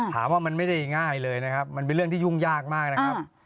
ว่ามันไม่ได้ง่ายเลยนะครับมันเป็นเรื่องที่ยุ่งยากมากนะครับ